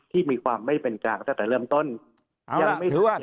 ที่มีความไม่เป็นกลางตั้งแต่เริ่มต้น